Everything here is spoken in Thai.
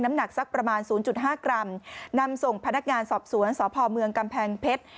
น้ำหนักสักประมาณศูนย์จุดห้ากรัมนำส่งพนักงานสอบสวนสอบพ่อเมืองกำแพงเพชร